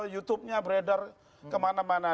youtubenya beredar kemana mana